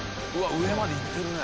上までいってるね